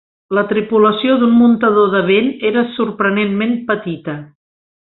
La tripulació d'un muntador de vent era sorprenentment petita.